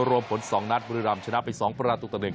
รวมผล๒นัดบุรีรัมชนะไป๒ประดาษฐุตศูนย์